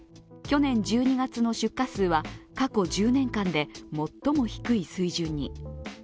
去年１２月の出荷数は過去１０年間で最も低い水準に。